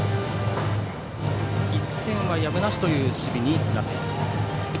１点はやむなしという守備になっています。